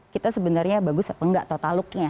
kita sebenarnya bagus apa enggak total looknya